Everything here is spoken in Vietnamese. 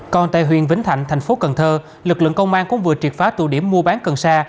còn tại huyện vĩnh thạnh thành phố cần thơ lực lượng công an cũng vừa triệt phá tụ điểm mua bán cần sa